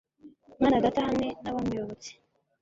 mana data hamwe n'abamuyobotse